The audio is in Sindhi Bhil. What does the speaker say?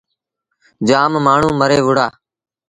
جآم مآڻهوٚݩ مري وُهڙآ۔